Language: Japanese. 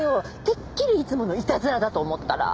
てっきりいつものいたずらだと思ったら。